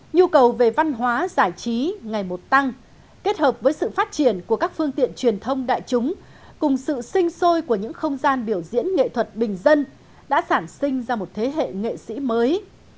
nhu cầu về văn hóa giải trí ngày một tăng kết hợp với sự phát triển của các phương tiện truyền thông đại chúng cùng sự sinh sôi của những không gian biểu diễn nghệ thuật bình dân đã sản sinh ra một thế hệ nghệ sĩ mới